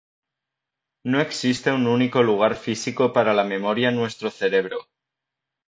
No existe un único lugar físico para la memoria en nuestro cerebro.